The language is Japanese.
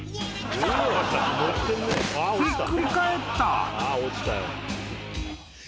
［ひっくり返った］